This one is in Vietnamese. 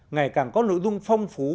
ngày càng có nội dung phong phú